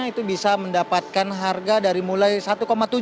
itu bisa mendapatkan harga dari mulai rp satu tujuh